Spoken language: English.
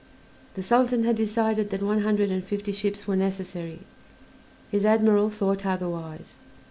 The Sultan had decided that one hundred and fifty ships were necessary; his admiral thought otherwise.